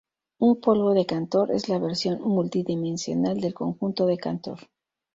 Un polvo de Cantor es la versión multi-dimensional del conjunto de Cantor.